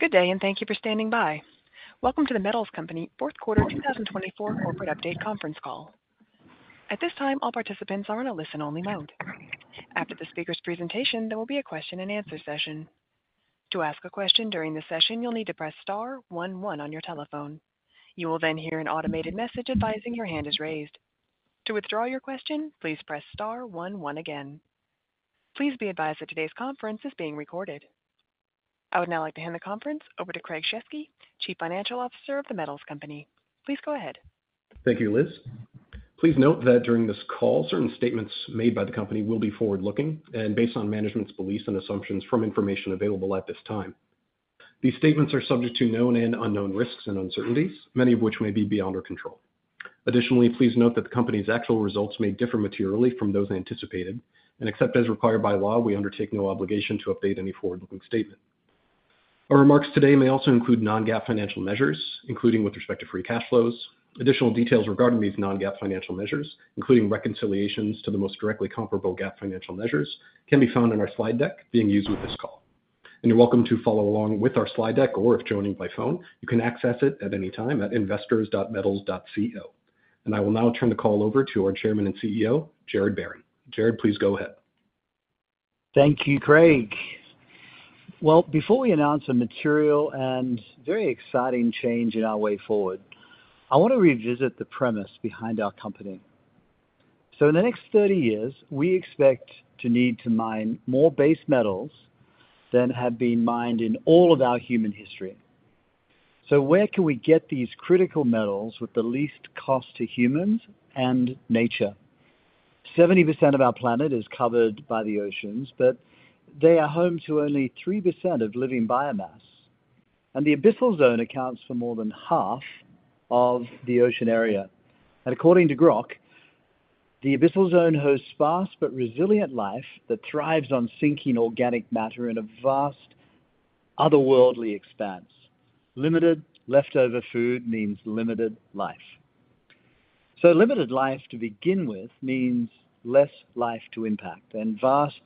Good day, and thank you for standing by. Welcome to The Metals Company fourth quarter 2024 corporate update conference call. At this time, all participants are in a listen-only mode. After the speaker's presentation, there will be a question-and-answer session. To ask a question during the session, you'll need to press star one one on your telephone. You will then hear an automated message advising your hand is raised. To withdraw your question, please press star one one again. Please be advised that today's conference is being recorded. I would now like to hand the conference over to Craig Shesky, Chief Financial Officer of The Metals Company. Please go ahead. Thank you, Liz. Please note that during this call, certain statements made by the company will be forward-looking and based on management's beliefs and assumptions from information available at this time. These statements are subject to known and unknown risks and uncertainties, many of which may be beyond our control. Additionally, please note that the company's actual results may differ materially from those anticipated, and except as required by law, we undertake no obligation to update any forward-looking statement. Our remarks today may also include non-GAAP financial measures, including with respect to free cash flows. Additional details regarding these non-GAAP financial measures, including reconciliations to the most directly comparable GAAP financial measures, can be found in our slide deck being used with this call. You are welcome to follow along with our slide deck, or if joining by phone, you can access it at any time at investors.metals.co. I will now turn the call over to our Chairman and CEO, Gerard Barron. Gerard, please go ahead. Thank you, Craig. Before we announce a material and very exciting change in our way forward, I want to revisit the premise behind our company. In the next 30 years, we expect to need to mine more base metals than have been mined in all of our human history. Where can we get these critical metals with the least cost to humans and nature? 70% of our planet is covered by the oceans, but they are home to only 3% of living biomass. The abyssal zone accounts for more than half of the ocean area. According to Grok, the abyssal zone hosts sparse but resilient life that thrives on sinking organic matter in a vast otherworldly expanse. Limited leftover food means limited life. Limited life to begin with means less life to impact, and vast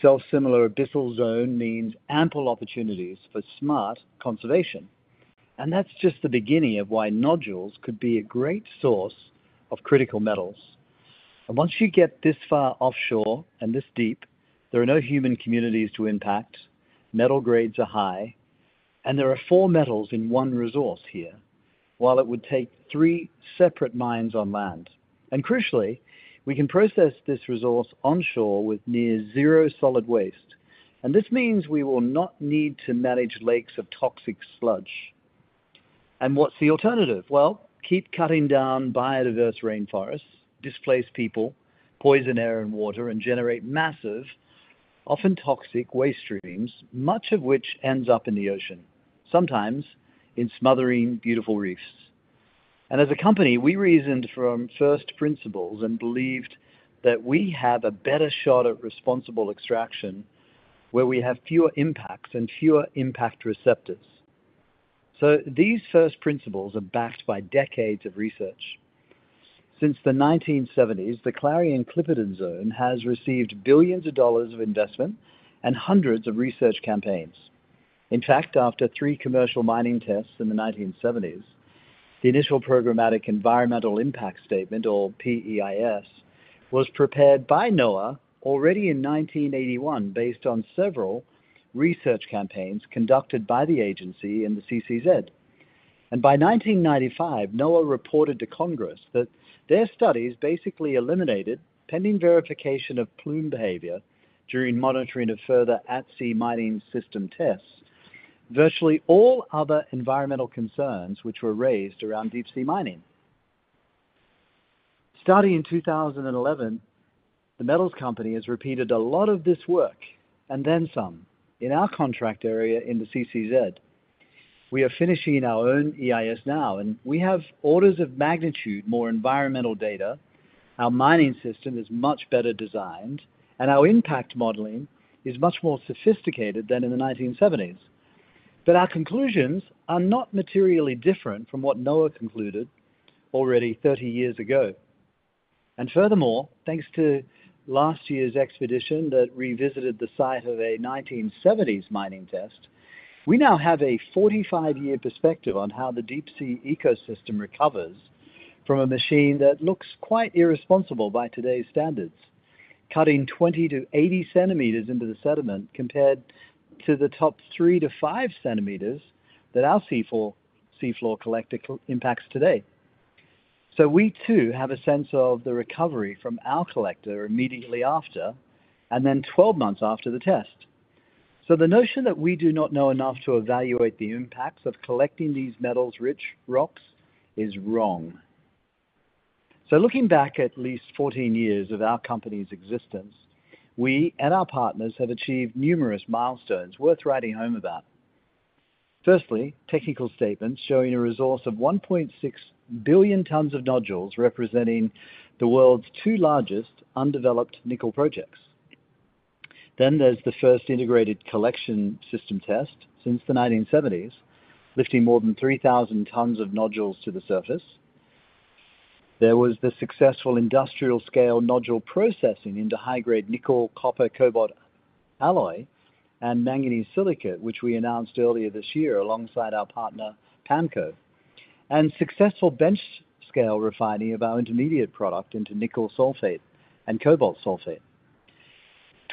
self-similar abyssal zone means ample opportunities for smart conservation. That is just the beginning of why nodules could be a great source of critical metals. Once you get this far offshore and this deep, there are no human communities to impact, metal grades are high, and there are four metals in one resource here, while it would take three separate mines on land. Crucially, we can process this resource onshore with near zero solid waste. This means we will not need to manage lakes of toxic sludge. What is the alternative? Keep cutting down biodiverse rainforests, displace people, poison air and water, and generate massive, often toxic waste streams, much of which ends up in the ocean, sometimes in smothering beautiful reefs. As a company, we reasoned from first principles and believed that we have a better shot at responsible extraction where we have fewer impacts and fewer impact receptors. These first principles are backed by decades of research. Since the 1970s, the Clarion Clipperton Zone has received billions of dollars of investment and hundreds of research campaigns. In fact, after three commercial mining tests in the 1970s, the initial programmatic environmental impact statement, or PEIS, was prepared by NOAA already in 1981 based on several research campaigns conducted by the agency and the CCZ. By 1995, NOAA reported to Congress that their studies basically eliminated, pending verification of plume behavior during monitoring of further at-sea mining system tests, virtually all other environmental concerns which were raised around deep-sea mining. Starting in 2011, The Metals Company has repeated a lot of this work and then some. In our contract area in the CCZ, we are finishing our own EIS now, and we have orders of magnitude more environmental data. Our mining system is much better designed, and our impact modeling is much more sophisticated than in the 1970s. Our conclusions are not materially different from what NOAA concluded already 30 years ago. Furthermore, thanks to last year's expedition that revisited the site of a 1970s mining test, we now have a 45-year perspective on how the deep-sea ecosystem recovers from a machine that looks quite irresponsible by today's standards, cutting 20-80 centimeters into the sediment compared to the top three to five centimeters that our seafloor collector impacts today. We, too, have a sense of the recovery from our collector immediately after and then 12 months after the test. The notion that we do not know enough to evaluate the impacts of collecting these metals-rich rocks is wrong. Looking back at least 14 years of our company's existence, we and our partners have achieved numerous milestones worth writing home about. Firstly, technical statements showing a resource of 1.6 billion tons of nodules representing the world's two largest undeveloped nickel projects. There is the first integrated collection system test since the 1970s, lifting more than 3,000 tons of nodules to the surface. There was the successful industrial-scale nodule processing into high-grade nickel, copper, cobalt alloy, and manganese silicate, which we announced earlier this year alongside our partner PAMCO, and successful bench-scale refining of our intermediate product into nickel sulfate and cobalt sulfate.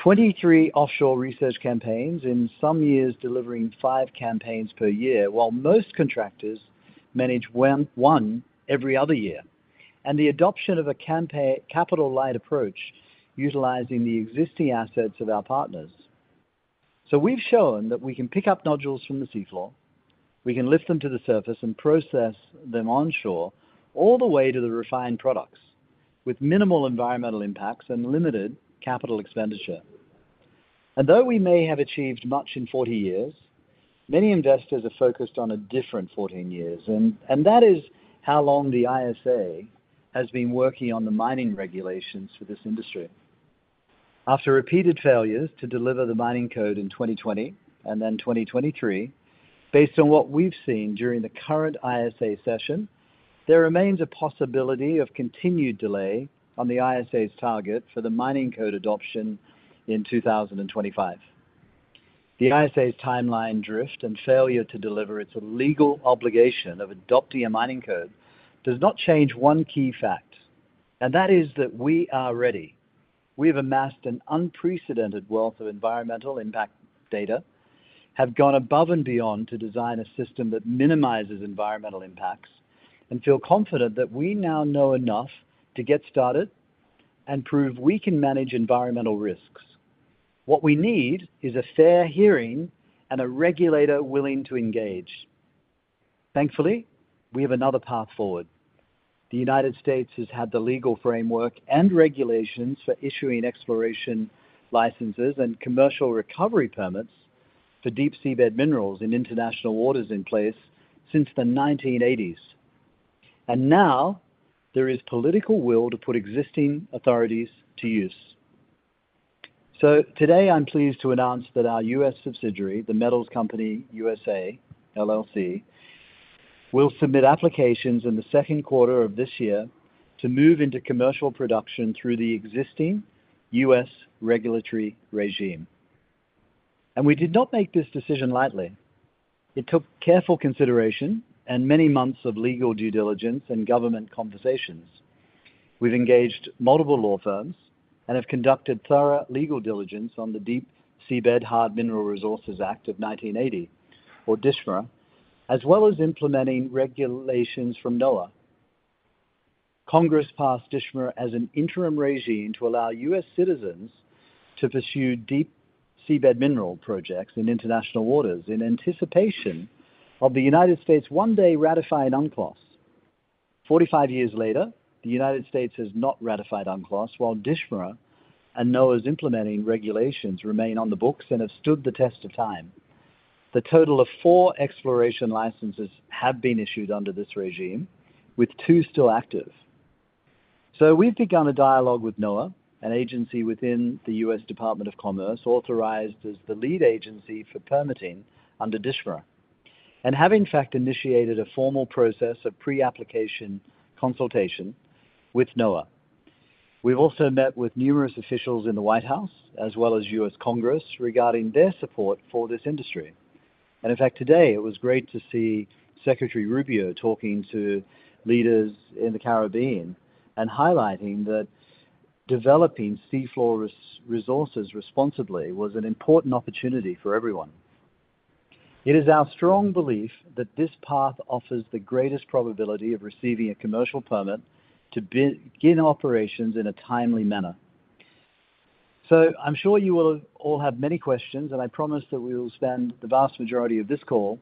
23 offshore research campaigns in some years delivering five campaigns per year, while most contractors manage one every other year, and the adoption of a capital-light approach utilizing the existing assets of our partners. We have shown that we can pick up nodules from the seafloor, we can lift them to the surface, and process them onshore all the way to the refined products with minimal environmental impacts and limited capital expenditure. Though we may have achieved much in 40 years, many investors are focused on a different 14 years, and that is how long the ISA has been working on the mining regulations for this industry. After repeated failures to deliver the mining code in 2020 and then 2023, based on what we have seen during the current ISA session, there remains a possibility of continued delay on the ISA's target for the mining code adoption in 2025. The ISA's timeline drift and failure to deliver its legal obligation of adopting a mining code does not change one key fact, and that is that we are ready. We have amassed an unprecedented wealth of environmental impact data, have gone above and beyond to design a system that minimizes environmental impacts, and feel confident that we now know enough to get started and prove we can manage environmental risks. What we need is a fair hearing and a regulator willing to engage. Thankfully, we have another path forward. The United States has had the legal framework and regulations for issuing exploration licenses and commercial recovery permits for deep-sea bed minerals in international waters in place since the 1980s. Now there is political will to put existing authorities to use. Today, I'm pleased to announce that our US subsidiary, The Metals Company USA will submit applications in the second quarter of this year to move into commercial production through the existing US regulatory regime. We did not make this decision lightly. It took careful consideration and many months of legal due diligence and government conversations. We've engaged multiple law firms and have conducted thorough legal diligence on the Deep Seabed Hard Mineral Resources Act of 1980, or DSHMRA, as well as implementing regulations from NOAA. Congress passed DSHMRA as an interim regime to allow US citizens to pursue deep-sea bed mineral projects in international waters in anticipation of the United States one day ratifying UNCLOS. Forty-five years later, the United States has not ratified UNCLOS, while DSHMRA and NOAA's implementing regulations remain on the books and have stood the test of time. The total of four exploration licenses have been issued under this regime, with two still active. We have begun a dialogue with NOAA, an agency within the US Department of Commerce authorized as the lead agency for permitting under DSHMRA, and have, in fact, initiated a formal process of pre-application consultation with NOAA. We have also met with numerous officials in the White House as well as US Congress regarding their support for this industry. In fact, today, it was great to see Secretary Rubio talking to leaders in the Caribbean and highlighting that developing seafloor resources responsibly was an important opportunity for everyone. It is our strong belief that this path offers the greatest probability of receiving a commercial permit to begin operations in a timely manner. I'm sure you will all have many questions, and I promise that we will spend the vast majority of this call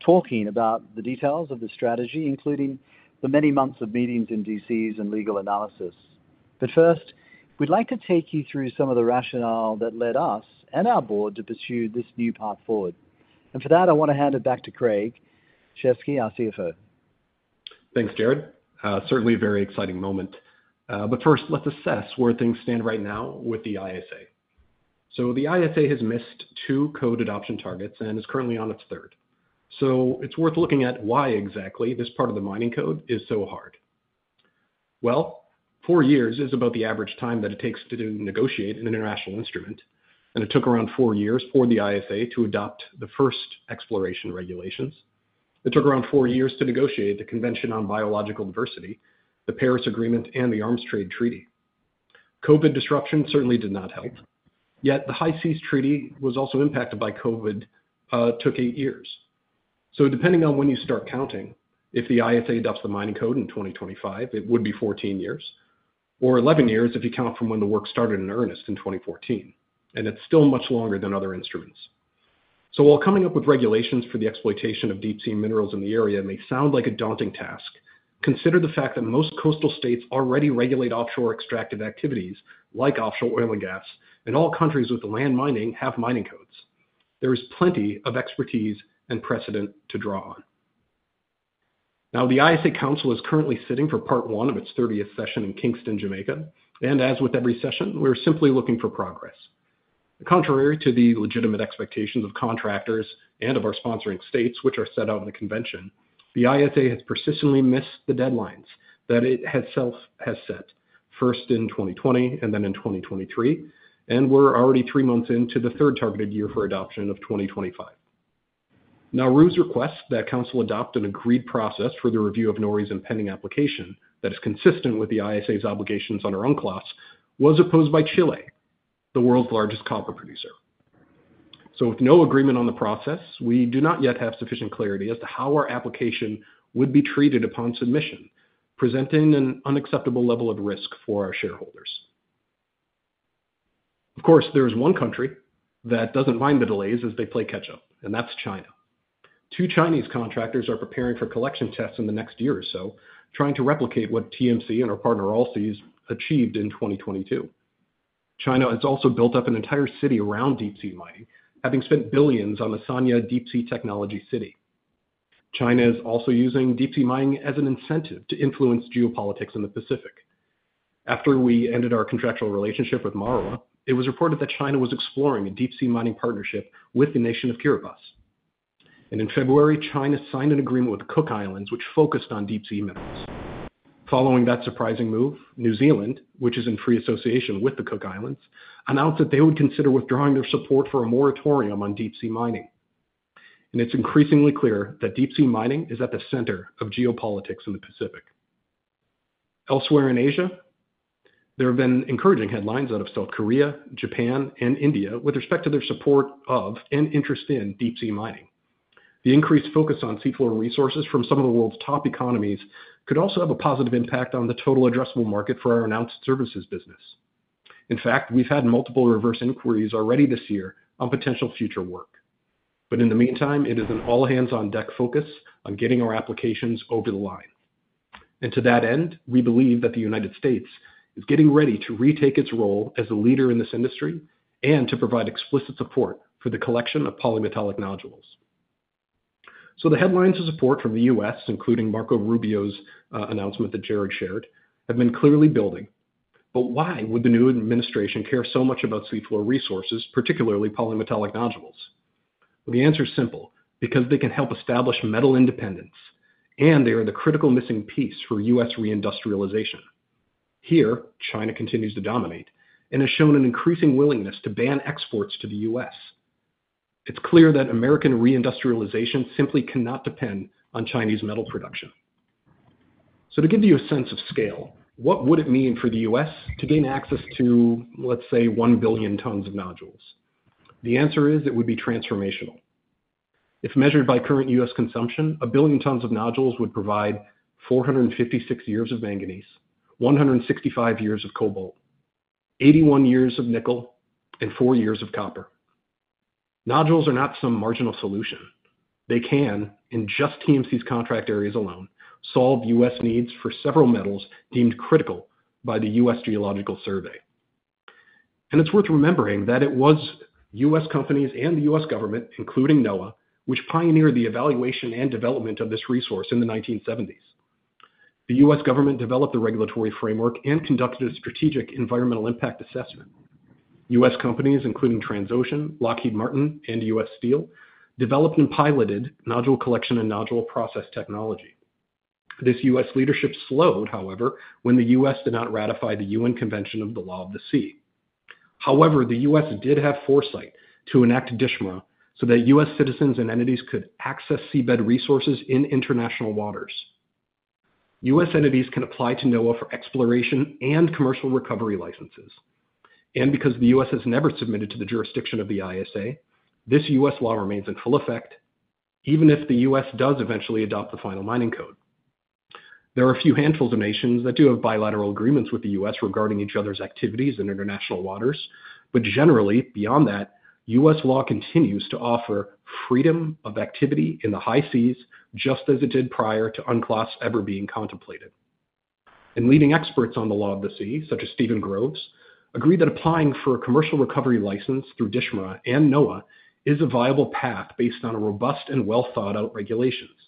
talking about the details of the strategy, including the many months of meetings in DC and legal analysis. First, we'd like to take you through some of the rationale that led us and our board to pursue this new path forward. For that, I want to hand it back to Craig Shesky, our CFO. Thanks, Gerard. Certainly a very exciting moment. First, let's assess where things stand right now with the ISA. The ISA has missed two code adoption targets and is currently on its third. It is worth looking at why exactly this part of the mining code is so hard. Four years is about the average time that it takes to negotiate an international instrument, and it took around four years for the ISA to adopt the first exploration regulations. It took around four years to negotiate the Convention on Biological Diversity, the Paris Agreement, and the Arms Trade Treaty. COVID disruption certainly did not help. Yet the High Seas Treaty, which was also impacted by COVID, took eight years. Depending on when you start counting, if the ISA adopts the mining code in 2025, it would be 14 years, or 11 years if you count from when the work started in earnest in 2014. It is still much longer than other instruments. While coming up with regulations for the exploitation of deep-sea minerals in the area may sound like a daunting task, consider the fact that most coastal states already regulate offshore extractive activities like offshore oil and gas, and all countries with land mining have mining codes. There is plenty of expertise and precedent to draw on. The ISA Council is currently sitting for part one of its 30th session in Kingston, Jamaica. As with every session, we are simply looking for progress. Contrary to the legitimate expectations of contractors and of our sponsoring states, which are set out in the convention, the ISA has persistently missed the deadlines that it has set, first in 2020 and then in 2023, and we're already three months into the third targeted year for adoption of 2025. Now, Nauru's request that Council adopt an agreed process for the review of NORI's impending application that is consistent with the ISA's obligations under UNCLOS was opposed by Chile, the world's largest copper producer. With no agreement on the process, we do not yet have sufficient clarity as to how our application would be treated upon submission, presenting an unacceptable level of risk for our shareholders. Of course, there is one country that doesn't mind the delays as they play catch-up, and that's China. Two Chinese contractors are preparing for collection tests in the next year or so, trying to replicate what TMC and our partner Allseas achieved in 2022. China has also built up an entire city around deep-sea mining, having spent billions on the Sanya Deep-Sea Technology City. China is also using deep-sea mining as an incentive to influence geopolitics in the Pacific. After we ended our contractual relationship with Marawa, it was reported that China was exploring a deep-sea mining partnership with the nation of Kiribati. In February, China signed an agreement with the Cook Islands, which focused on deep-sea minerals. Following that surprising move, New Zealand, which is in free association with the Cook Islands, announced that they would consider withdrawing their support for a moratorium on deep-sea mining. It is increasingly clear that deep-sea mining is at the center of geopolitics in the Pacific. Elsewhere in Asia, there have been encouraging headlines out of South Korea, Japan, and India with respect to their support of and interest in deep-sea mining. The increased focus on seafloor resources from some of the world's top economies could also have a positive impact on the total addressable market for our announced services business. In fact, we've had multiple reverse inquiries already this year on potential future work. In the meantime, it is an all-hands-on-deck focus on getting our applications over the line. To that end, we believe that the United States is getting ready to retake its role as a leader in this industry and to provide explicit support for the collection of polymetallic nodules. The headlines of support from the U.S., including Marco Rubio's announcement that Gerard shared, have been clearly building. Why would the new administration care so much about seafloor resources, particularly polymetallic nodules? The answer is simple: because they can help establish metal independence, and they are the critical missing piece for US reindustrialization. Here, China continues to dominate and has shown an increasing willingness to ban exports to the US. It is clear that American reindustrialization simply cannot depend on Chinese metal production. To give you a sense of scale, what would it mean for the US to gain access to, let's say, one billion tons of nodules? The answer is it would be transformational. If measured by current US consumption, a billion tons of nodules would provide 456 years of manganese, 165 years of cobalt, 81 years of nickel, and four years of copper. Nodules are not some marginal solution. They can, in just TMC's contract areas alone, solve US needs for several metals deemed critical by the US Geological Survey. It is worth remembering that it was US companies and the US government, including NOAA, which pioneered the evaluation and development of this resource in the 1970s. The US government developed the regulatory framework and conducted a strategic environmental impact assessment. US companies, including Transocean, Lockheed Martin, and US Steel, developed and piloted nodule collection and nodule process technology. This US leadership slowed, however, when the US did not ratify the United Nations Convention on the Law of the Sea. However, the US did have foresight to enact DSHMRA so that US citizens and entities could access seabed resources in international waters. US entities can apply to NOAA for exploration and commercial recovery licenses. Because the US has never submitted to the jurisdiction of the ISA, this US law remains in full effect, even if the US does eventually adopt the final mining code. There are a few handfuls of nations that do have bilateral agreements with the US regarding each other's activities in international waters. Generally, beyond that, US law continues to offer freedom of activity in the high seas, just as it did prior to UNCLOS ever being contemplated. Leading experts on the law of the sea, such as Stephen Groves, agree that applying for a commercial recovery permit through DSHMRA and NOAA is a viable path based on robust and well-thought-out regulations.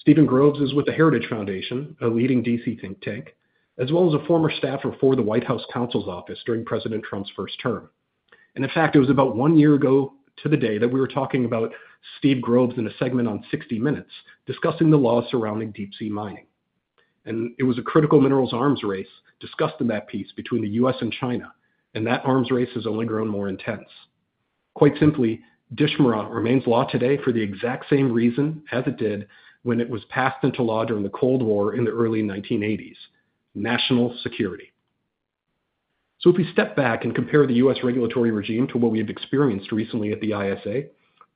Stephen Groves is with the Heritage Foundation, a leading DC think tank, as well as a former staffer for the White House Counsel's office during President Trump's first term. In fact, it was about one year ago to the day that we were talking about Stephen Groves in a segment on 60 Minutes discussing the law surrounding deep-sea mining. It was a critical minerals arms race discussed in that piece between the U.S. and China, and that arms race has only grown more intense. Quite simply, DSHMRA remains law today for the exact same reason as it did when it was passed into law during the Cold War in the early 1980s: national security. If we step back and compare the U.S. regulatory regime to what we have experienced recently at the ISA,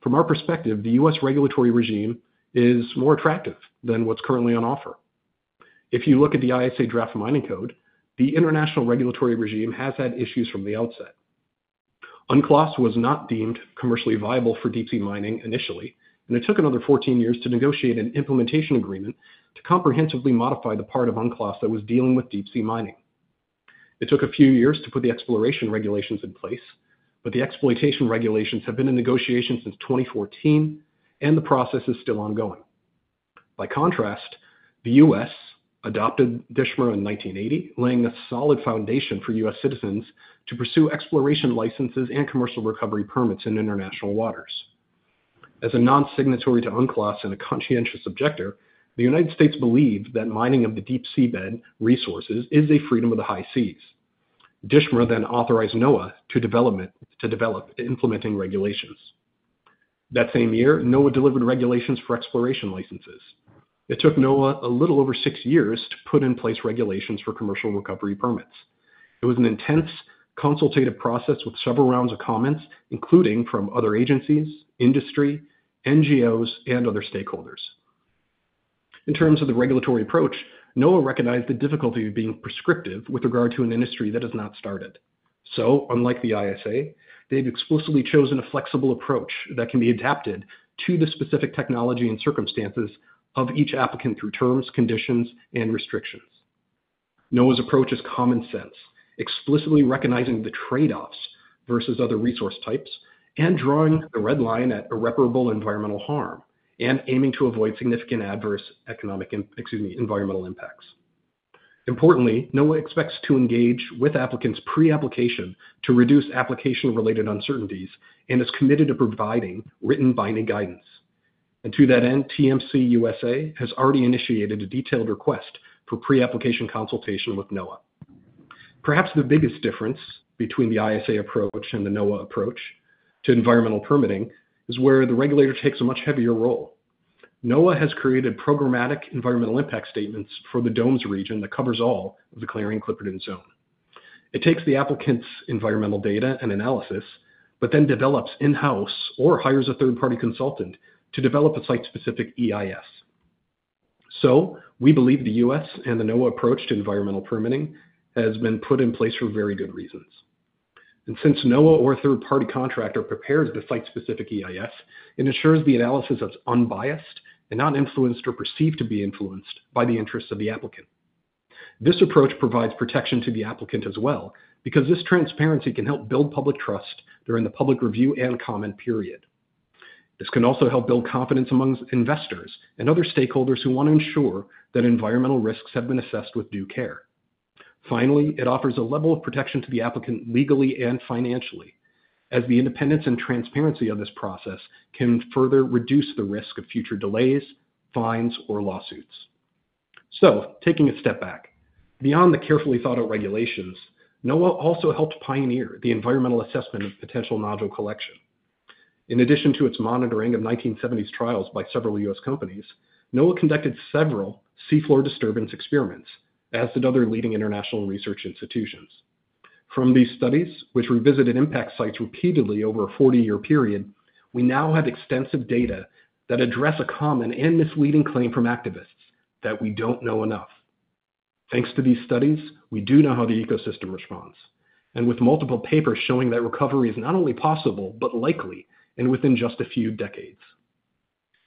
from our perspective, the U.S. regulatory regime is more attractive than what's currently on offer. If you look at the ISA draft mining code, the international regulatory regime has had issues from the outset. UNCLOS was not deemed commercially viable for deep-sea mining initially, and it took another 14 years to negotiate an implementation agreement to comprehensively modify the part of UNCLOS that was dealing with deep-sea mining. It took a few years to put the exploration regulations in place, but the exploitation regulations have been in negotiation since 2014, and the process is still ongoing. By contrast, the US adopted DSHMRA in 1980, laying a solid foundation for US citizens to pursue exploration licenses and commercial recovery permits in international waters. As a non-signatory to UNCLOS and a conscientious objector, the United States believed that mining of the deep-sea bed resources is a freedom of the high seas. DSHMRA then authorized NOAA to develop implementing regulations. That same year, NOAA delivered regulations for exploration licenses. It took NOAA a little over six years to put in place regulations for commercial recovery permits. It was an intense, consultative process with several rounds of comments, including from other agencies, industry, NGOs, and other stakeholders. In terms of the regulatory approach, NOAA recognized the difficulty of being prescriptive with regard to an industry that has not started. Unlike the ISA, they have explicitly chosen a flexible approach that can be adapted to the specific technology and circumstances of each applicant through terms, conditions, and restrictions. NOAA's approach is common sense, explicitly recognizing the trade-offs versus other resource types and drawing the red line at irreparable environmental harm and aiming to avoid significant adverse economic—excuse me—environmental impacts. Importantly, NOAA expects to engage with applicants pre-application to reduce application-related uncertainties and is committed to providing written binding guidance. To that end, TMC USA has already initiated a detailed request for pre-application consultation with NOAA. Perhaps the biggest difference between the ISA approach and the NOAA approach to environmental permitting is where the regulator takes a much heavier role. NOAA has created programmatic environmental impact statements for the DOMES region that covers all of the Clarion Clipperton Zone. It takes the applicant's environmental data and analysis, but then develops in-house or hires a third-party consultant to develop a site-specific EIS. We believe the US and the NOAA approach to environmental permitting has been put in place for very good reasons. Since NOAA or a third-party contractor prepares the site-specific EIS, it ensures the analysis is unbiased and not influenced or perceived to be influenced by the interests of the applicant. This approach provides protection to the applicant as well because this transparency can help build public trust during the public review and comment period. This can also help build confidence among investors and other stakeholders who want to ensure that environmental risks have been assessed with due care. Finally, it offers a level of protection to the applicant legally and financially, as the independence and transparency of this process can further reduce the risk of future delays, fines, or lawsuits. Taking a step back, beyond the carefully thought-out regulations, NOAA also helped pioneer the environmental assessment of potential nodule collection. In addition to its monitoring of 1970s trials by several US companies, NOAA conducted several seafloor disturbance experiments, as did other leading international research institutions. From these studies, which revisited impact sites repeatedly over a 40-year period, we now have extensive data that address a common and misleading claim from activists that we don't know enough. Thanks to these studies, we do know how the ecosystem responds, and with multiple papers showing that recovery is not only possible but likely and within just a few decades.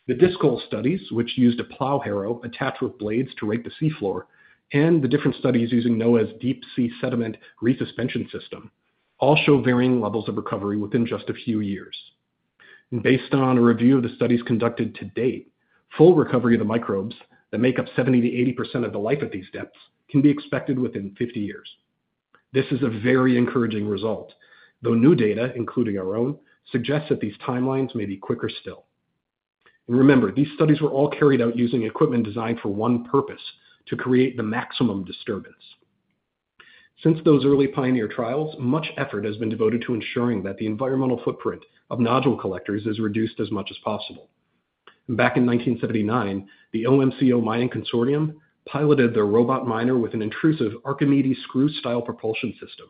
The DISCOL studies, which used a plow harrow attached with blades to rake the seafloor, and the different studies using NOAA's deep-sea sediment resuspension system all show varying levels of recovery within just a few years. Based on a review of the studies conducted to date, full recovery of the microbes that make up 70-80% of the life at these depths can be expected within 50 years. This is a very encouraging result, though new data, including our own, suggests that these timelines may be quicker still. Remember, these studies were all carried out using equipment designed for one purpose: to create the maximum disturbance. Since those early pioneer trials, much effort has been devoted to ensuring that the environmental footprint of nodule collectors is reduced as much as possible. Back in 1979, the OMCO Mining Consortium piloted their robot miner with an intrusive Archimedes screw-style propulsion system,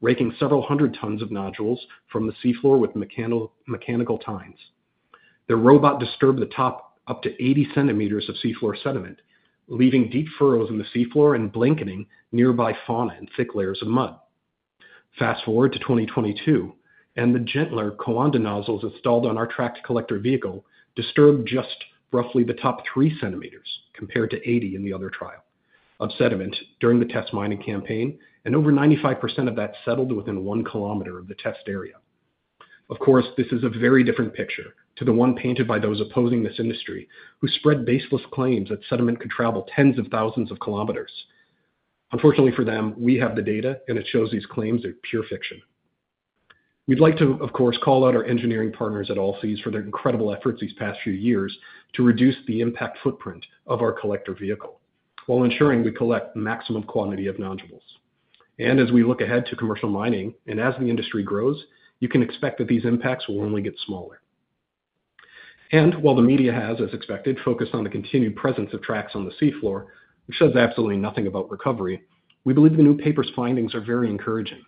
raking several hundred tons of nodules from the seafloor with mechanical tines. Their robot disturbed the top up to 80 centimeters of seafloor sediment, leaving deep furrows in the seafloor and blanketing nearby fauna in thick layers of mud. Fast forward to 2022, and the gentler Coanda nozzles installed on our tracked collector vehicle disturbed just roughly the top 3 centimeters compared to 80 in the other trial of sediment during the test mining campaign, and over 95% of that settled within one kilometer of the test area. Of course, this is a very different picture to the one painted by those opposing this industry who spread baseless claims that sediment could travel tens of thousands of kilometers. Unfortunately for them, we have the data, and it shows these claims are pure fiction. We'd like to, of course, call out our engineering partners at Allseas for their incredible efforts these past few years to reduce the impact footprint of our collector vehicle while ensuring we collect the maximum quantity of nodules. As we look ahead to commercial mining and as the industry grows, you can expect that these impacts will only get smaller. While the media has, as expected, focused on the continued presence of tracks on the seafloor, which says absolutely nothing about recovery, we believe the new paper's findings are very encouraging.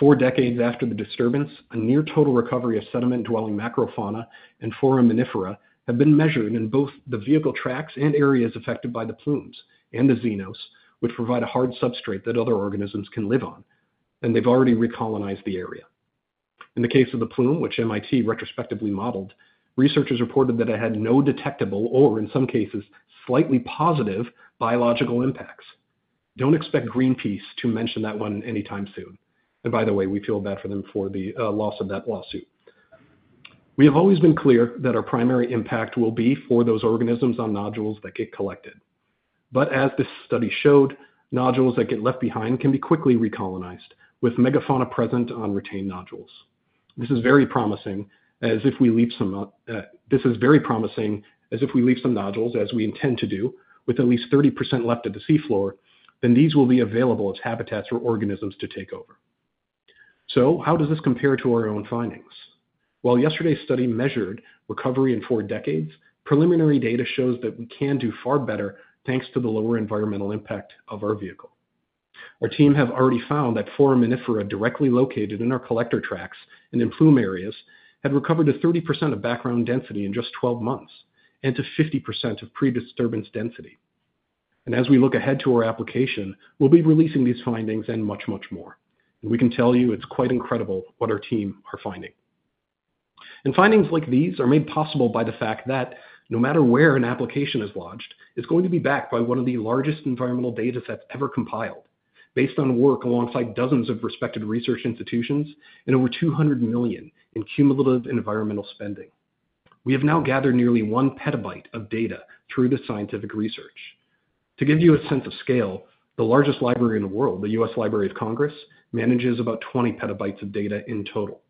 Four decades after the disturbance, a near-total recovery of sediment-dwelling macrofauna and foraminifera have been measured in both the vehicle tracks and areas affected by the plumes and the xenos, which provide a hard substrate that other organisms can live on, and they've already recolonized the area. In the case of the plume, which MIT retrospectively modeled, researchers reported that it had no detectable or, in some cases, slightly positive biological impacts. Don't expect Greenpeace to mention that one anytime soon. By the way, we feel bad for them for the loss of that lawsuit. We have always been clear that our primary impact will be for those organisms on nodules that get collected. As this study showed, nodules that get left behind can be quickly recolonized with megafauna present on retained nodules. This is very promising as if we leave some nodules, as we intend to do, with at least 30% left at the seafloor, then these will be available as habitats for organisms to take over. How does this compare to our own findings? While yesterday's study measured recovery in four decades, preliminary data shows that we can do far better thanks to the lower environmental impact of our vehicle. Our team has already found that foraminifera directly located in our collector tracks and in plume areas had recovered to 30% of background density in just 12 months and to 50% of pre-disturbance density. As we look ahead to our application, we'll be releasing these findings and much, much more. We can tell you it's quite incredible what our team are finding. Findings like these are made possible by the fact that no matter where an application is lodged, it's going to be backed by one of the largest environmental data sets ever compiled, based on work alongside dozens of respected research institutions and over $200 million in cumulative environmental spending. We have now gathered nearly one petabyte of data through the scientific research. To give you a sense of scale, the largest library in the world, the U.S. Library of Congress, manages about 20 petabytes of data in total.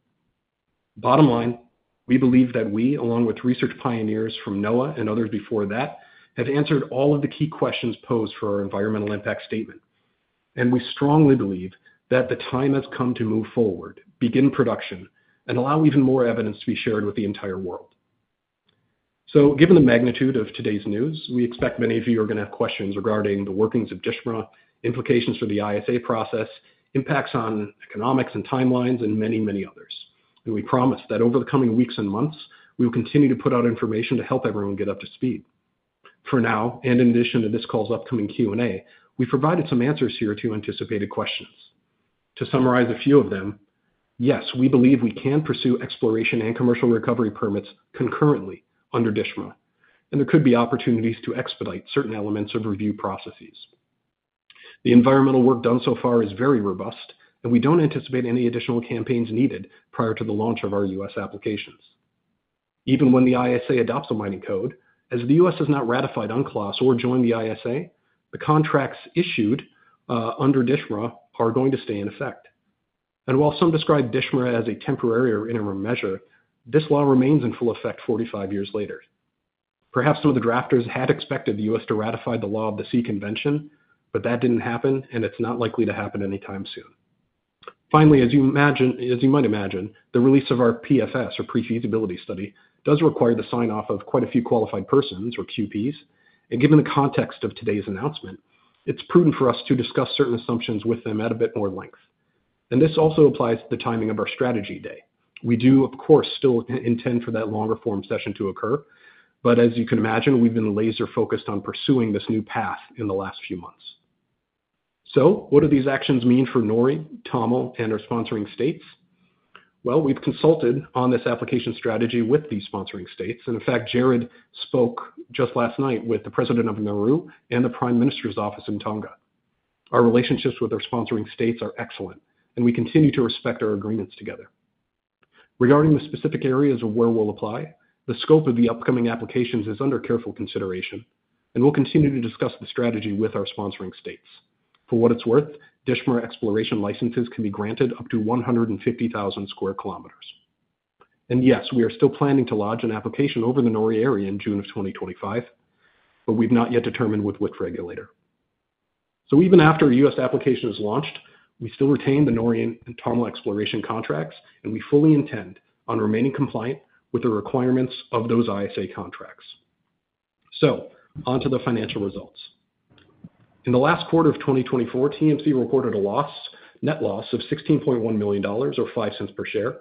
Bottom line, we believe that we, along with research pioneers from NOAA and others before that, have answered all of the key questions posed for our environmental impact statement. We strongly believe that the time has come to move forward, begin production, and allow even more evidence to be shared with the entire world. Given the magnitude of today's news, we expect many of you are going to have questions regarding the workings of DSHMRA, implications for the ISA process, impacts on economics and timelines, and many, many others. We promise that over the coming weeks and months, we will continue to put out information to help everyone get up to speed. For now, and in addition to this call's upcoming Q&A, we've provided some answers here to anticipated questions. To summarize a few of them, yes, we believe we can pursue exploration and commercial recovery permits concurrently under DSHMRA, and there could be opportunities to expedite certain elements of review processes. The environmental work done so far is very robust, and we do not anticipate any additional campaigns needed prior to the launch of our US applications. Even when the ISA adopts a mining code, as the US has not ratified UNCLOS or joined the ISA, the contracts issued under DSHMRA are going to stay in effect. While some describe DSHMRA as a temporary or interim measure, this law remains in full effect 45 years later. Perhaps some of the drafters had expected the US to ratify the Law of the Sea Convention, but that did not happen, and it is not likely to happen anytime soon. Finally, as you might imagine, the release of our PFS, or Pre-Feasibility Study, does require the sign-off of quite a few qualified persons, or QPs. Given the context of today's announcement, it is prudent for us to discuss certain assumptions with them at a bit more length. This also applies to the timing of our strategy day. We do, of course, still intend for that longer-form session to occur, but as you can imagine, we've been laser-focused on pursuing this new path in the last few months. What do these actions mean for NORI, TOML, and our sponsoring states? We've consulted on this application strategy with these sponsoring states. In fact, Gerard spoke just last night with the President of Nauru and the Prime Minister's office in Tonga. Our relationships with our sponsoring states are excellent, and we continue to respect our agreements together. Regarding the specific areas of where we'll apply, the scope of the upcoming applications is under careful consideration, and we continue to discuss the strategy with our sponsoring states. For what it's worth, DSHMRA exploration licenses can be granted up to 150,000 sq km. Yes, we are still planning to lodge an application over the NORI area in June of 2025, but we've not yet determined with which regulator. Even after a U.S. application is launched, we still retain the NORI and TOML exploration contracts, and we fully intend on remaining compliant with the requirements of those ISA contracts. Onto the financial results. In the last quarter of 2024, TMC reported a net loss of $16.1 million, or $0.05 per share,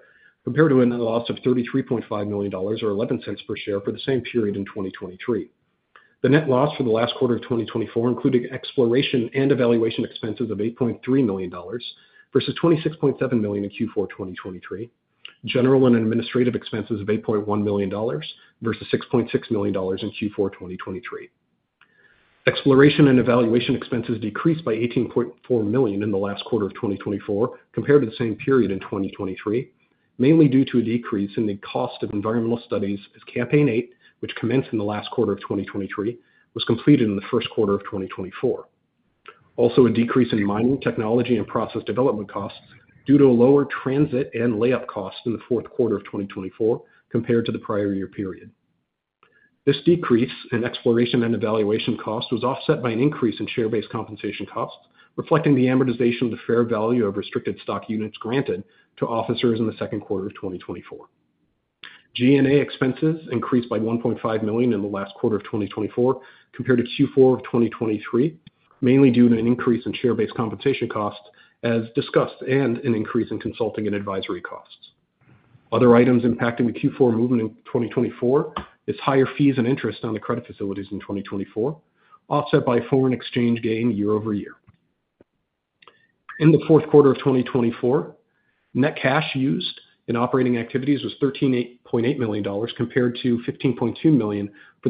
compared to a net loss of $33.5 million, or $0.11 per share for the same period in 2023. The net loss for the last quarter of 2024 included exploration and evaluation expenses of $8.3 million versus $26.7 million in Q4 2023, general and administrative expenses of $8.1 million versus $6.6 million in Q4 2023. Exploration and evaluation expenses decreased by $18.4 million in the last quarter of 2024 compared to the same period in 2023, mainly due to a decrease in the cost of environmental studies as Campaign 8, which commenced in the last quarter of 2023, was completed in the first quarter of 2024. Also, a decrease in mining technology and process development costs due to a lower transit and layup cost in the fourth quarter of 2024 compared to the prior year period. This decrease in exploration and evaluation costs was offset by an increase in share-based compensation costs, reflecting the amortization of the fair value of restricted stock units granted to officers in the second quarter of 2024. G&A expenses increased by $1.5 million in the last quarter of 2024 compared to Q4 of 2023, mainly due to an increase in share-based compensation costs as discussed and an increase in consulting and advisory costs. Other items impacting the Q4 movement in 2024 are higher fees and interest on the credit facilities in 2024, offset by foreign exchange gain year over year. In the fourth quarter of 2024, net cash used in operating activities was $13.8 million compared to $15.2 million for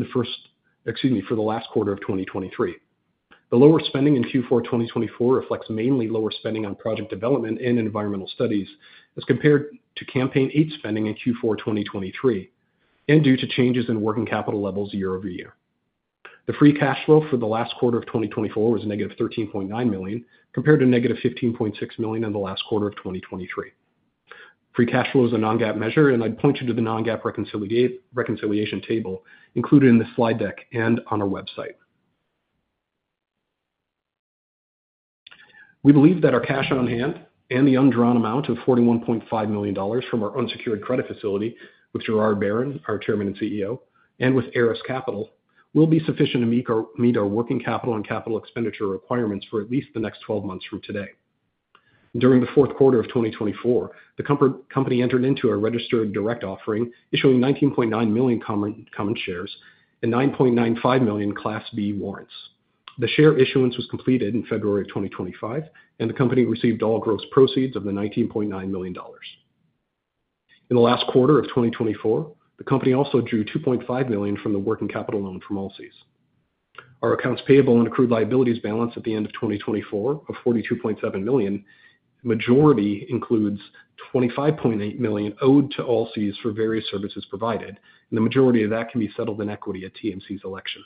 the last quarter of 2023. The lower spending in Q4 2024 reflects mainly lower spending on project development and environmental studies as compared to Campaign 8 spending in Q4 2023 and due to changes in working capital levels year over year. The free cash flow for the last quarter of 2024 was negative $13.9 million compared to negative $15.6 million in the last quarter of 2023. Free cash flow is a non-GAAP measure, and I'd point you to the non-GAAP reconciliation table included in the slide deck and on our website. We believe that our cash on hand and the undrawn amount of $41.5 million from our unsecured credit facility with Gerard Barron, our Chairman and CEO, and with Eras Capital will be sufficient to meet our working capital and capital expenditure requirements for at least the next 12 months from today. During the fourth quarter of 2024, the company entered into a registered direct offering, issuing 19.9 million common shares and 9.95 million Class B warrants. The share issuance was completed in February of 2025, and the company received all gross proceeds of the $19.9 million. In the last quarter of 2024, the company also drew $2.5 million from the working capital loan from Allseas. Our accounts payable and accrued liabilities balance at the end of 2024 of $42.7 million, the majority includes $25.8 million owed to Allseas for various services provided, and the majority of that can be settled in equity at TMC's election.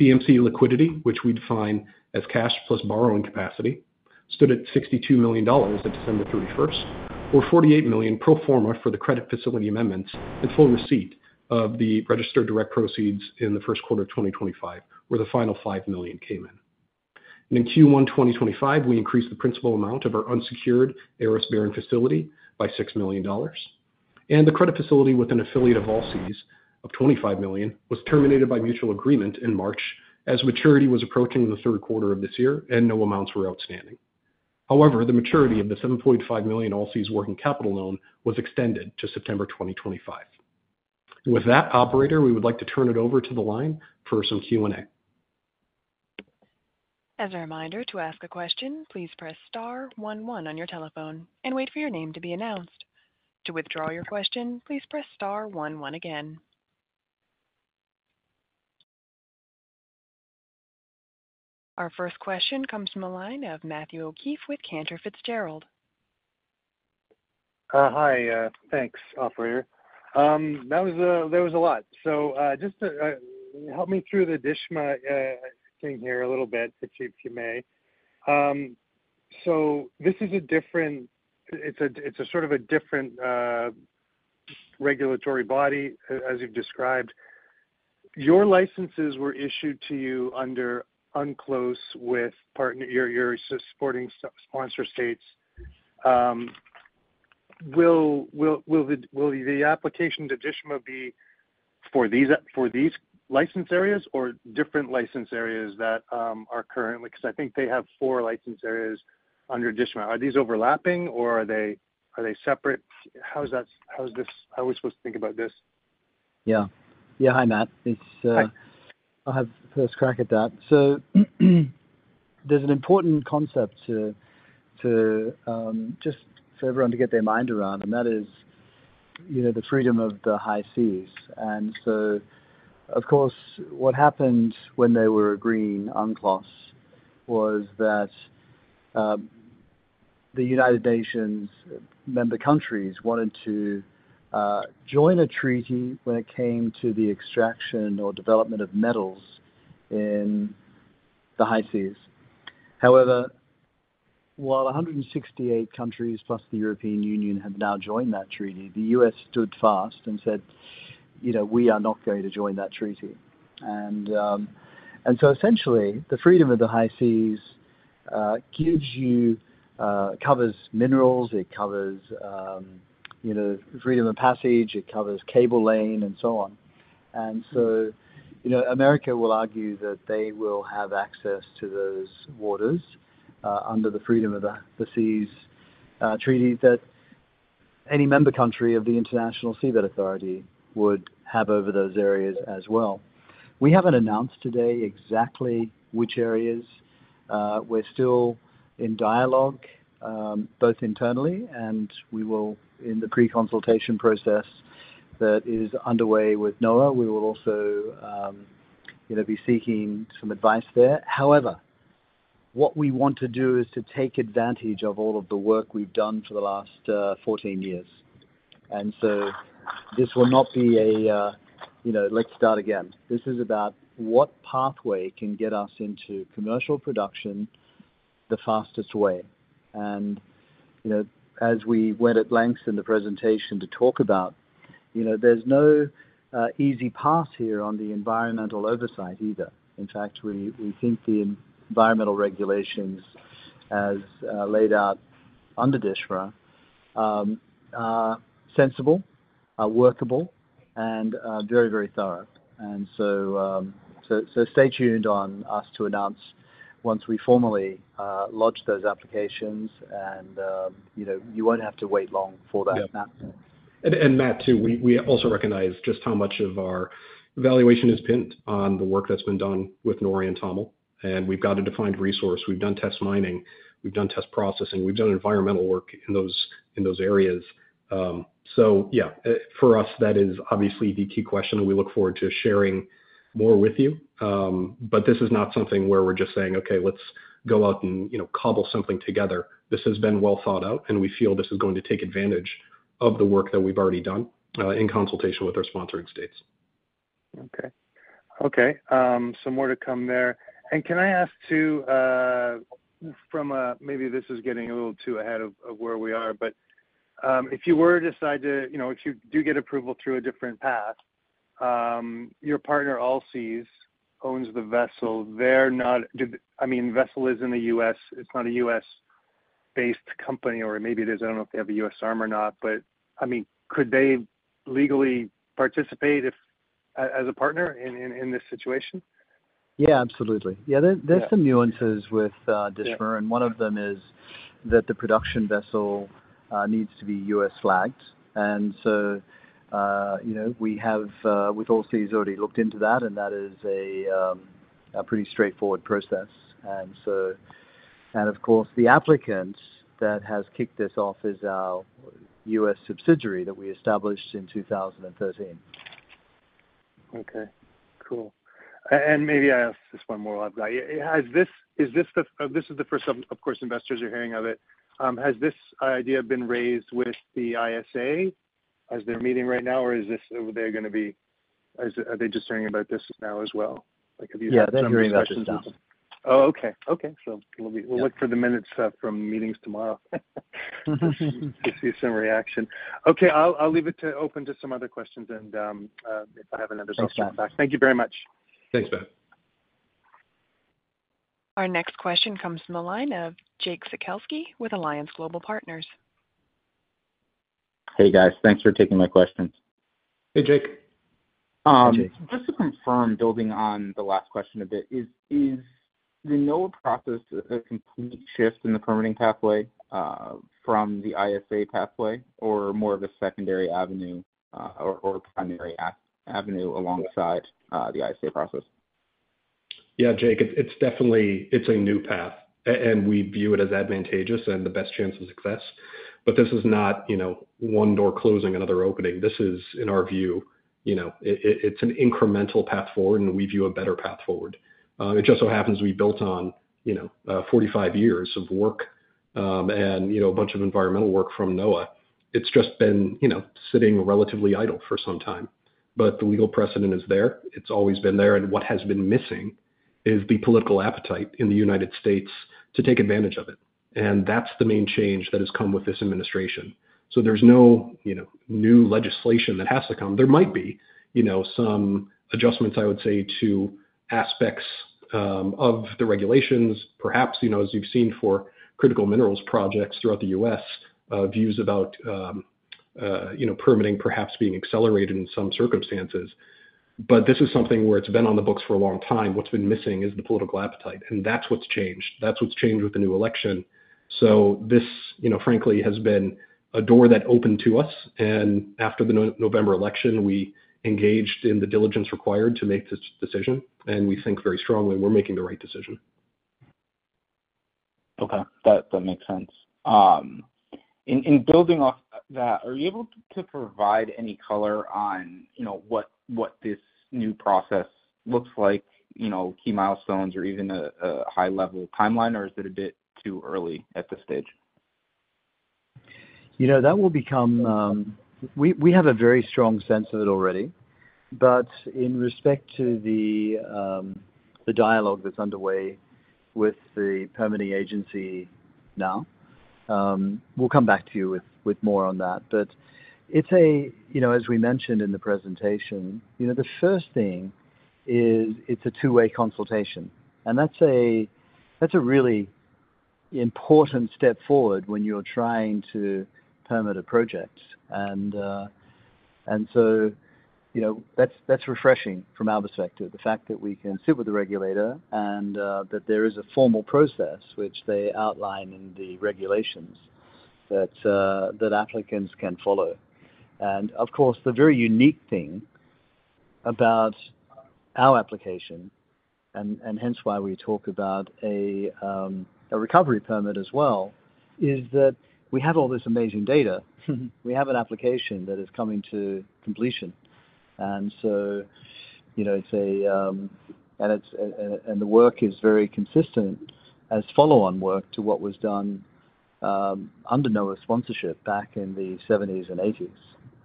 TMC liquidity, which we define as cash plus borrowing capacity, stood at $62 million at December 31st, or $48 million pro forma for the credit facility amendments and full receipt of the registered direct proceeds in the first quarter of 2025, where the final $5 million came in. In Q1 2025, we increased the principal amount of our unsecured Eras Capital facility by $6 million. The credit facility with an affiliate of Allseas of $25 million was terminated by mutual agreement in March as maturity was approaching in the third quarter of this year and no amounts were outstanding. However, the maturity of the $7.5 million Allseas working capital loan was extended to September 2025. With that, operator, we would like to turn it over to the line for some Q&A. As a reminder, to ask a question, please press star 11 on your telephone and wait for your name to be announced. To withdraw your question, please press star 11 again. Our first question comes from the line of Matthew O'Keefe with Cantor Fitzgerald. Hi, thanks, operator. That was a—there was a lot. Just to help me through the DSHMRA thing here a little bit, if you may. This is a different—it is sort of a different regulatory body, as you've described. Your licenses were issued to you under UNCLOS with partner—your supporting sponsor states. Will the application to DSHMRA be for these license areas or different license areas that are currently—because I think they have four license areas under DSHMRA? Are these overlapping, or are they separate? How was this—how are we supposed to think about this? Yeah. Yeah. Hi, Matt. I'll have the first crack at that. There is an important concept just for everyone to get their mind around, and that is the freedom of the high seas. Of course, what happened when they were agreeing UNCLOS was that the United Nations member countries wanted to join a treaty when it came to the extraction or development of metals in the high seas. However, while 168 countries plus the European Union have now joined that treaty, the U.S. stood fast and said, "We are not going to join that treaty." Essentially, the freedom of the high seas covers minerals, it covers freedom of passage, it covers cable lane, and so on. America will argue that they will have access to those waters under the freedom of the seas treaty that any member country of the International Seabed Authority would have over those areas as well. We haven't announced today exactly which areas. We're still in dialogue, both internally, and we will, in the pre-consultation process that is underway with NOAA, we will also be seeking some advice there. However, what we want to do is to take advantage of all of the work we've done for the last 14 years. This will not be a, "Let's start again." This is about what pathway can get us into commercial production the fastest way. As we went at length in the presentation to talk about, there's no easy path here on the environmental oversight either. In fact, we think the environmental regulations as laid out under DSHMRA are sensible, are workable, and very, very thorough. Stay tuned on us to announce once we formally lodge those applications, and you won't have to wait long for that. Matt, too, we also recognize just how much of our evaluation is pinned on the work that's been done with NORI and TOML. We've got a defined resource. We've done test mining. We've done test processing. We've done environmental work in those areas. Yeah, for us, that is obviously the key question, and we look forward to sharing more with you. This is not something where we're just saying, "Okay, let's go out and cobble something together." This has been well thought out, and we feel this is going to take advantage of the work that we've already done in consultation with our sponsoring states. Okay. Okay. Some more to come there. Can I ask too from a—maybe this is getting a little too ahead of where we are—but if you were to decide to, if you do get approval through a different path, your partner, Allseas, owns the vessel. I mean, the vessel is in the U.S. It's not a U.S.-based company, or maybe it is. I do not know if they have a U.S. arm or not, but I mean, could they legally participate as a partner in this situation? Yeah, absolutely. Yeah, there's some nuances with DSHMRA, and one of them is that the production vessel needs to be US-flagged. We have, with Allseas, already looked into that, and that is a pretty straightforward process. Of course, the applicant that has kicked this off is our US subsidiary that we established in 2013. Okay. Cool. Maybe I ask this one more I've got. Is this the first of course, investors are hearing of it. Has this idea been raised with the ISA as they're meeting right now, or are they going to be are they just hearing about this now as well? Have you heard some questions as well? Yeah, they're hearing that question too. Oh, okay. Okay. We'll wait for the minutes from meetings tomorrow to see some reaction. Okay. I'll leave it open to some other questions, and if I have another question. Thank you very much. Thanks, Matt. Our next question comes from the line of Jake Sekelsky with Alliance Global Partners. Hey, guys. Thanks for taking my question. Hey, Jake. Just to confirm, building on the last question a bit, is the NOAA process a complete shift in the permitting pathway from the ISA pathway, or more of a secondary avenue or primary avenue alongside the ISA process? Yeah, Jake, it's definitely a new path, and we view it as advantageous and the best chance of success. This is not one door closing, another opening. This is, in our view, it's an incremental path forward, and we view a better path forward. It just so happens we built on 45 years of work and a bunch of environmental work from NOAA. It's just been sitting relatively idle for some time. The legal precedent is there. It's always been there. What has been missing is the political appetite in the United States to take advantage of it. That's the main change that has come with this administration. There is no new legislation that has to come. There might be some adjustments, I would say, to aspects of the regulations, perhaps, as you've seen for critical minerals projects throughout the U.S., views about permitting perhaps being accelerated in some circumstances. This is something where it's been on the books for a long time. What's been missing is the political appetite. That's what's changed. That's what's changed with the new election. This, frankly, has been a door that opened to us. After the November election, we engaged in the diligence required to make this decision. We think very strongly we're making the right decision. Okay. That makes sense. In building off that, are you able to provide any color on what this new process looks like, key milestones, or even a high-level timeline, or is it a bit too early at this stage? That will become—we have a very strong sense of it already. In respect to the dialogue that's underway with the permitting agency now, we'll come back to you with more on that. As we mentioned in the presentation, the first thing is it's a two-way consultation. That's a really important step forward when you're trying to permit a project. That's refreshing from our perspective, the fact that we can sit with the regulator and that there is a formal process, which they outline in the regulations, that applicants can follow. Of course, the very unique thing about our application, and hence why we talk about a recovery permit as well, is that we have all this amazing data. We have an application that is coming to completion. It is a very consistent follow-on work to what was done under NOAA sponsorship back in the 1970s and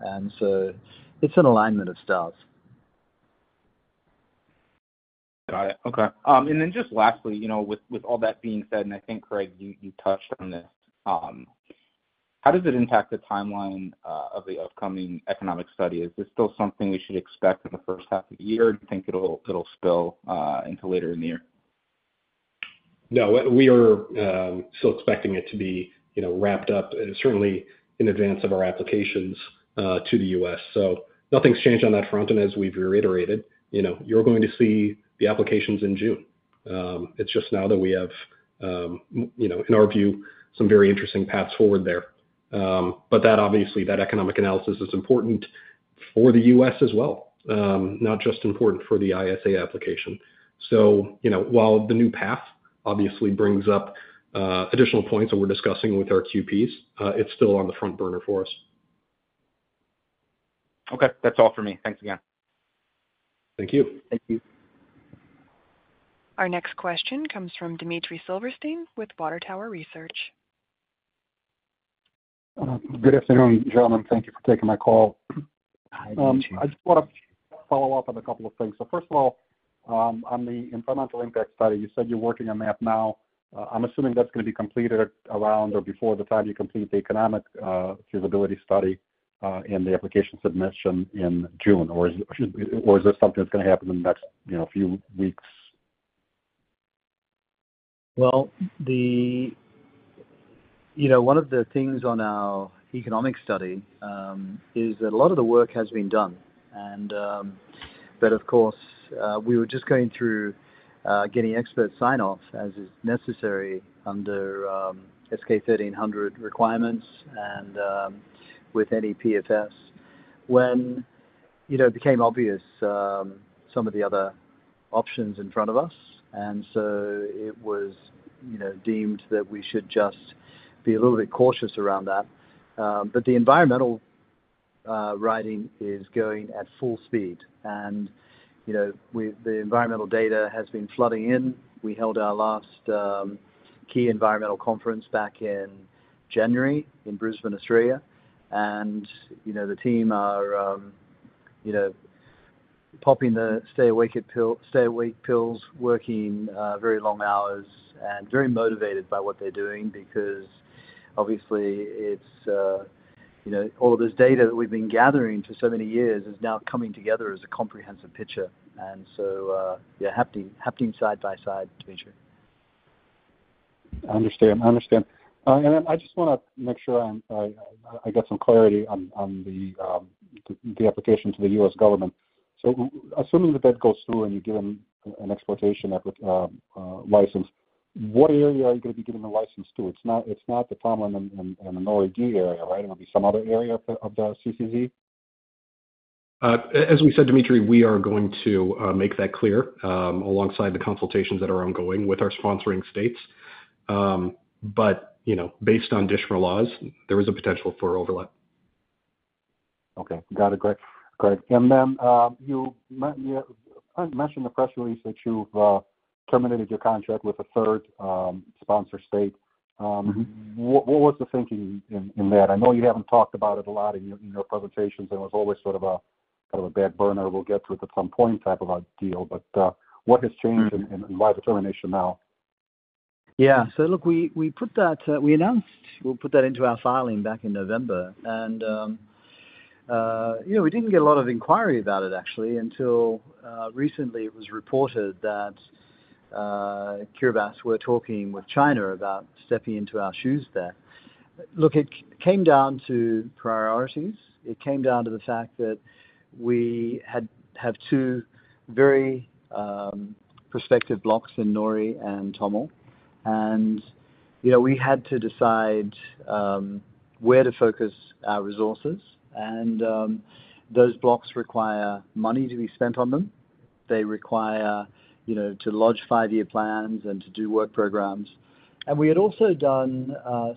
1980s. It is an alignment of stuff. Got it. Okay. Just lastly, with all that being said, and I think, Craig, you touched on this, how does it impact the timeline of the upcoming economic study? Is this still something we should expect in the first half of the year, or do you think it'll spill into later in the year? No, we are still expecting it to be wrapped up, certainly in advance of our applications to the US. Nothing's changed on that front. As we've reiterated, you're going to see the applications in June. It's just now that we have, in our view, some very interesting paths forward there. Obviously, that economic analysis is important for the US as well, not just important for the ISA application. While the new path obviously brings up additional points that we're discussing with our QPs, it's still on the front burner for us. Okay. That's all for me. Thanks again. Thank you. Thank you. Our next question comes from Dmitry Silversteyn with Water Tower Research. Good afternoon, gentlemen. Thank you for taking my call. I just want to follow up on a couple of things. First of all, on the environmental impact study, you said you're working on that now. I'm assuming that's going to be completed around or before the time you complete the economic feasibility study and the application submission in June. Is this something that's going to happen in the next few weeks? One of the things on our economic study is that a lot of the work has been done. Of course, we were just going through getting expert sign-off as is necessary under S-K 1300 requirements and with any PFS when it became obvious some of the other options in front of us. It was deemed that we should just be a little bit cautious around that. The environmental writing is going at full speed. The environmental data has been flooding in. We held our last key environmental conference back in January in Brisbane, Australia. The team are popping the stay-awake pills, working very long hours, and very motivated by what they're doing because, obviously, all of this data that we've been gathering for so many years is now coming together as a comprehensive picture. Yeah, happy side by side, Dmitry. I understand. I understand. I just want to make sure I got some clarity on the application to the U.S. government. Assuming the bid goes through and you're given an exploration license, what area are you going to be giving the license to? It's not the TOML and the NORI area, right? It'll be some other area of the CCZ? As we said, Dmitry, we are going to make that clear alongside the consultations that are ongoing with our sponsoring states. Based on DSHMRA laws, there is a potential for overlap. Okay. Got it, Craig. You mentioned the press release that you've terminated your contract with a third sponsor state. What was the thinking in that? I know you haven't talked about it a lot in your presentations. There was always sort of a kind of a back burner, "We'll get to it at some point," type of a deal. What has changed and why the termination now? Yeah. Look, we announced we'll put that into our filing back in November. We didn't get a lot of inquiry about it, actually, until recently it was reported that CureVac were talking with China about stepping into our shoes there. Look, it came down to priorities. It came down to the fact that we have two very prospective blocks in NORI and TOML. We had to decide where to focus our resources. Those blocks require money to be spent on them. They require to lodge five-year plans and to do work programs. We had also done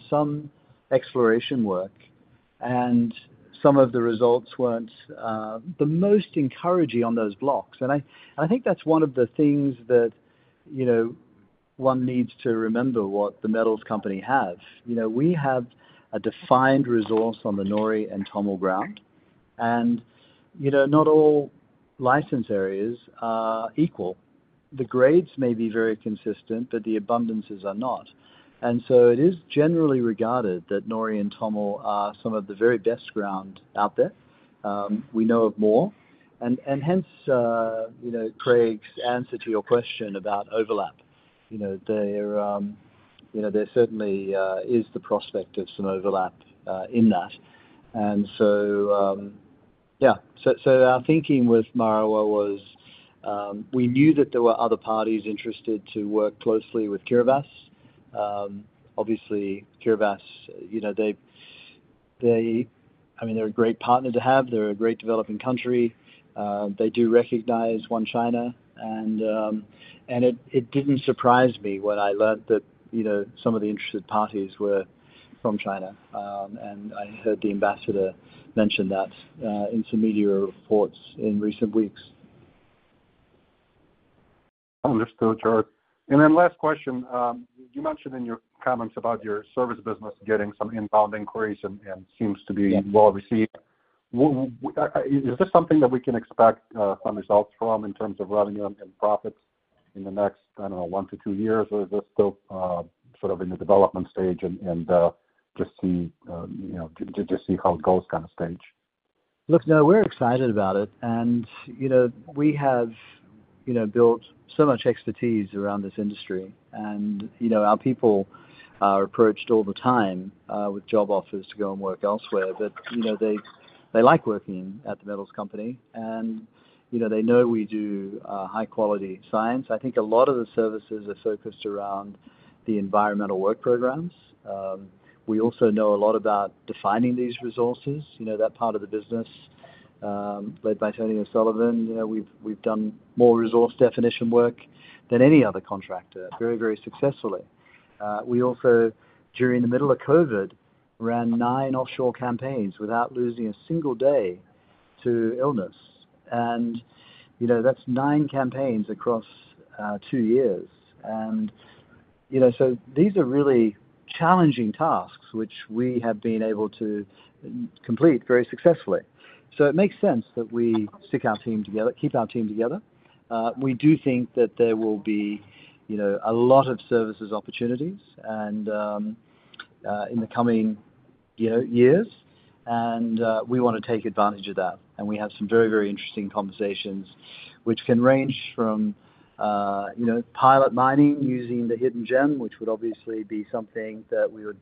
some exploration work. Some of the results weren't the most encouraging on those blocks. I think that's one of the things that one needs to remember what The Metals Company have. We have a defined resource on the NORI and TOML ground. Not all license areas are equal. The grades may be very consistent, but the abundances are not. It is generally regarded that NORI and TOML are some of the very best ground out there. We know of more. Hence, Craig's answer to your question about overlap. There certainly is the prospect of some overlap in that. Our thinking with Marawa was we knew that there were other parties interested to work closely with CureVac. Obviously, CureVac, I mean, they're a great partner to have. They're a great developing country. They do recognize One China. It did not surprise me when I learned that some of the interested parties were from China. I heard the ambassador mention that in some media reports in recent weeks. Understood, Gerard. Last question. You mentioned in your comments about your service business getting some inbound inquiries and seems to be well received. Is this something that we can expect some results from in terms of revenue and profits in the next, I don't know, one to two years, or is this still sort of in the development stage and just see how it goes kind of stage? Look, no, we're excited about it. We have built so much expertise around this industry. Our people are approached all the time with job offers to go and work elsewhere. They like working at The Metals Company. They know we do high-quality science. I think a lot of the services are focused around the environmental work programs. We also know a lot about defining these resources, that part of the business led by Anthony O'Sullivan. We've done more resource definition work than any other contractor, very, very successfully. We also, during the middle of COVID, ran nine offshore campaigns without losing a single day to illness. That's nine campaigns across two years. These are really challenging tasks, which we have been able to complete very successfully. It makes sense that we stick our team together, keep our team together. We do think that there will be a lot of services opportunities in the coming years. We want to take advantage of that. We have some very, very interesting conversations, which can range from pilot mining using the Hidden Gem, which would obviously be something that we would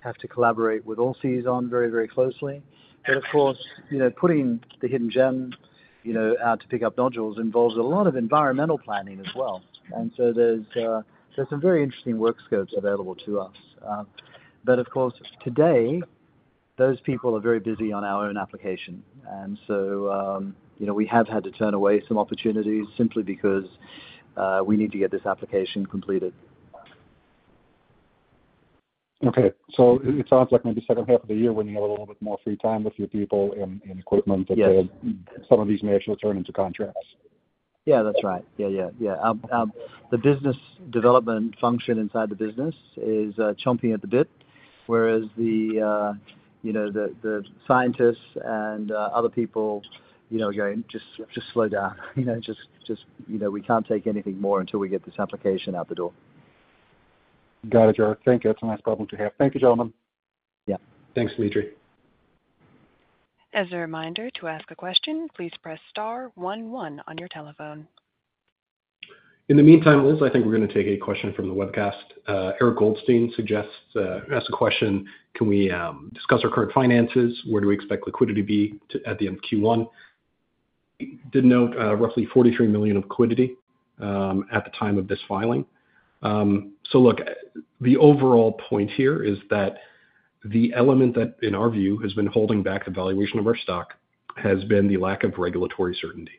have to collaborate with Allseas on very, very closely. Of course, putting the Hidden Gem out to pick up nodules involves a lot of environmental planning as well. There is some very interesting work scopes available to us. Of course, today, those people are very busy on our own application. We have had to turn away some opportunities simply because we need to get this application completed. Okay. It sounds like maybe second half of the year when you have a little bit more free time with your people and equipment that some of these may actually turn into contracts. Yeah, that's right. Yeah, yeah, yeah. The business development function inside the business is chomping at the bit, whereas the scientists and other people are going, "Just slow down. Just we can't take anything more until we get this application out the door. Got it, Gerard. Thank you. That's a nice problem to have. Thank you, gentlemen. Yeah. Thanks, Dmitry. As a reminder, to ask a question, please press star 1 1 on your telephone. In the meantime, Liz, I think we're going to take a question from the webcast. Eric Goldstein suggests ask a question, "Can we discuss our current finances? Where do we expect liquidity to be at the end of Q1?" Did note roughly $43 million of liquidity at the time of this filing. Look, the overall point here is that the element that, in our view, has been holding back the valuation of our stock has been the lack of regulatory certainty.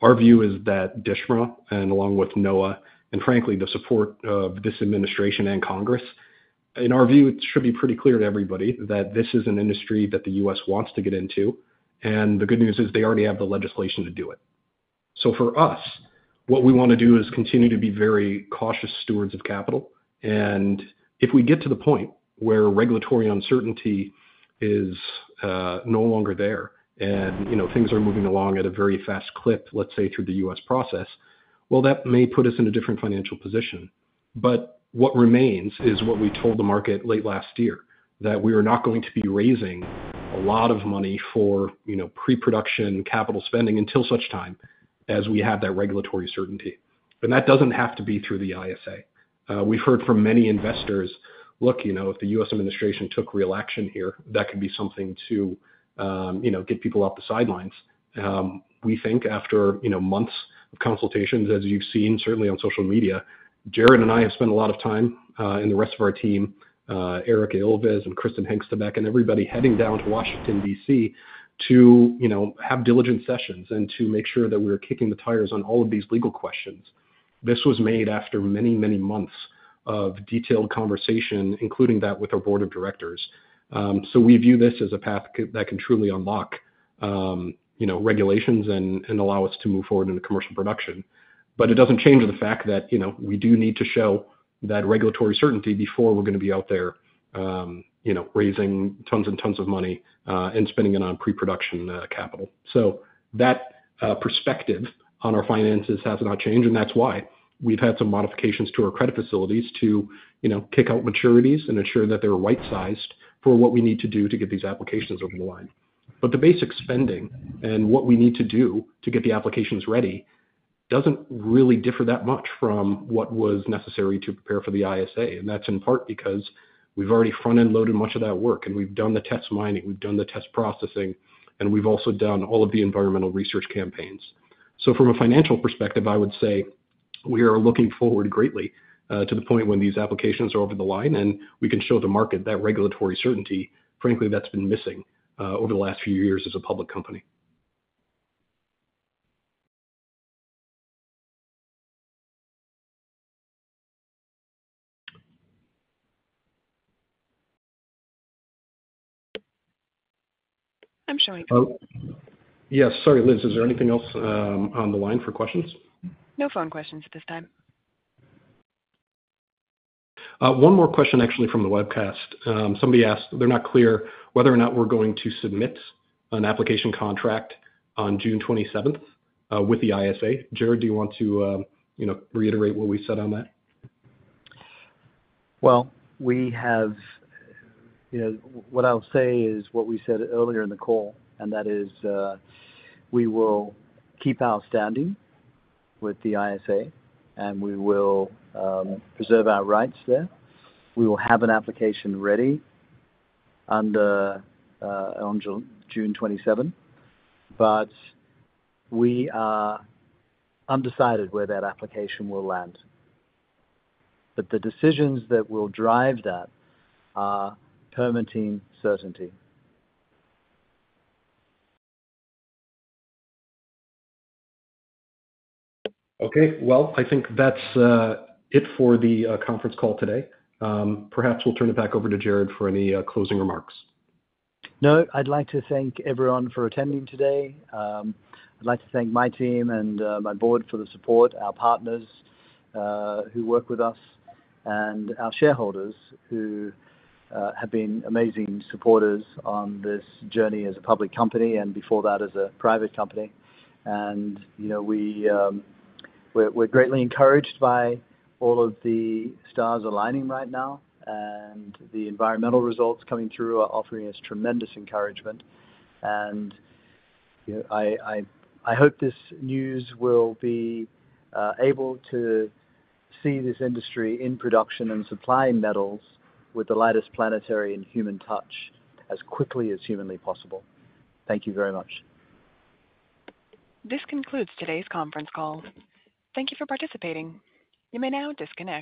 Our view is that DSHMRA, and along with NOAA, and frankly, the support of this administration and Congress, in our view, it should be pretty clear to everybody that this is an industry that the US wants to get into. The good news is they already have the legislation to do it. For us, what we want to do is continue to be very cautious stewards of capital. If we get to the point where regulatory uncertainty is no longer there and things are moving along at a very fast clip, let's say, through the US process, that may put us in a different financial position. What remains is what we told the market late last year, that we are not going to be raising a lot of money for pre-production capital spending until such time as we have that regulatory certainty. That does not have to be through the ISA. We've heard from many investors, "Look, if the U.S. administration took real action here, that could be something to get people off the sidelines." We think after months of consultations, as you've seen, certainly on social media, Gerard and I have spent a lot of time and the rest of our team, Erika Ilves and Kristin Hengstebeck and everybody heading down to Washington, DC, to have diligent sessions and to make sure that we're kicking the tires on all of these legal questions. This was made after many, many months of detailed conversation, including that with our board of directors. We view this as a path that can truly unlock regulations and allow us to move forward into commercial production. It doesn't change the fact that we do need to show that regulatory certainty before we're going to be out there raising tons and tons of money and spending it on pre-production capital. That perspective on our finances has not changed. That's why we've had some modifications to our credit facilities to kick out maturities and ensure that they're right-sized for what we need to do to get these applications over the line. The basic spending and what we need to do to get the applications ready doesn't really differ that much from what was necessary to prepare for the ISA. That's in part because we've already front-end loaded much of that work. We've done the test mining. We've done the test processing. We've also done all of the environmental research campaigns. From a financial perspective, I would say we are looking forward greatly to the point when these applications are over the line. We can show the market that regulatory certainty, frankly, that's been missing over the last few years as a public company. I'm showing up. Yes. Sorry, Liz. Is there anything else on the line for questions? No phone questions at this time. One more question, actually, from the webcast. Somebody asked, they're not clear whether or not we're going to submit an application contract on June 27th with the ISA. Gerard, do you want to reiterate what we said on that? What I'll say is what we said earlier in the call. That is we will keep our standing with the ISA. We will preserve our rights there. We will have an application ready on June 27th. We are undecided where that application will land. The decisions that will drive that are permitting certainty. Okay. I think that's it for the conference call today. Perhaps we'll turn it back over to Gerard for any closing remarks. No, I'd like to thank everyone for attending today. I'd like to thank my team and my board for the support, our partners who work with us, and our shareholders who have been amazing supporters on this journey as a public company and before that as a private company. We are greatly encouraged by all of the stars aligning right now. The environmental results coming through are offering us tremendous encouragement. I hope this news will be able to see this industry in production and supplying metals with the lightest planetary and human touch as quickly as humanly possible. Thank you very much. This concludes today's conference call. Thank you for participating. You may now disconnect.